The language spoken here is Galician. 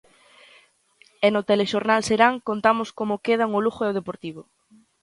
E no Telexornal Serán contamos como quedan o Lugo e o Deportivo.